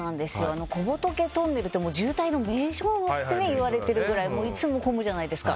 小仏トンネルって渋滞の名所っていわれているくらいいつも混むじゃないですか。